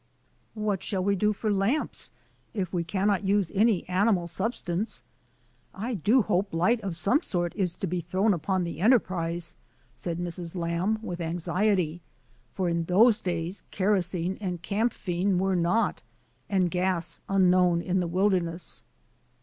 "What shall we do for lamps, if we cannot use any animal substance? I do hope light of some sort is to be thrown upon the enterprise," said Mrs. Lamb, with anxiety, for in those days kero sene and camphene were not, and gas unknown in the wilderness.